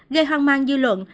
gây hoang mang dư luận